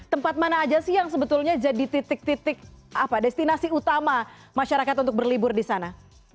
tempat mana aja sih yang sebetulnya jadi titik titik destinasi utama masyarakat untuk berlibur di sana